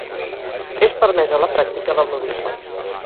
És permesa la pràctica del nudisme.